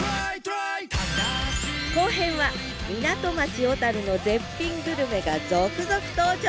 後編は港町小の絶品グルメが続々登場！